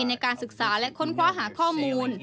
ในการศึกษาและค้นคว้าหาข้อมูล